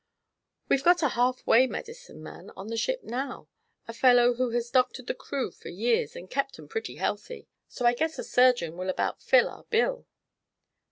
"We've got a half way medicine man on the ship now a fellow who has doctored the crew for years and kept 'em pretty healthy. So I guess a surgeon will about fill our bill."